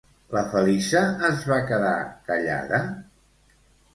La Feliça es va quedar callada?